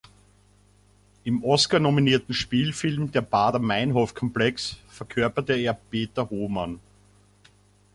Im Oscar-nominierten Spielfilm "Der Baader Meinhof Komplex" verkörperte er Peter Homann.